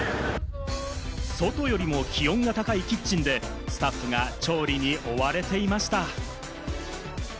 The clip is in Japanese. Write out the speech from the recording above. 外よりも気温が高いキッチンで、スタッフが調理に追われていました。